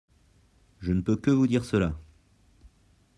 Je ne peux que vous dire cela.